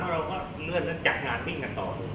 เราก็เนื่องจากงานวิ่งกันต่อ